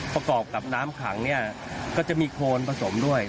ประกอบกับน้ำขังเนี่ยก็จะมีโคนผสมด้วย